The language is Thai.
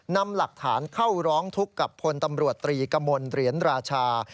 นำหลักฐานเข้าร้องทุกข์กับพลตำรวจตรีกมลเหรียญราชา